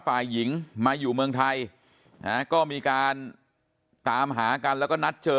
ฝ่ายหญิงมาอยู่เมืองไทยนะฮะก็มีการตามหากันแล้วก็นัดเจอ